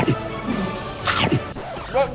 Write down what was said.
รสเผ็ดเต็ม